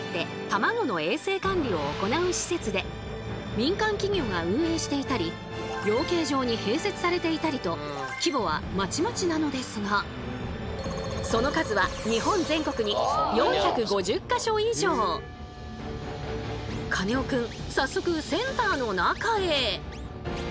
民間企業が運営していたり養鶏場に併設されていたりと規模はまちまちなのですがその数はカネオくん早速センターの中へ。